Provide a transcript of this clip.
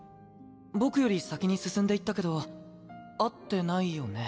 僕より先に進んでいったけど会ってないよね？